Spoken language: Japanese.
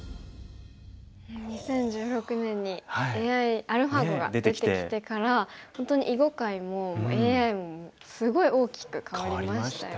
２０１６年にアルファ碁が出てきてから本当に囲碁界もＡＩもすごい大きく変わりましたよね。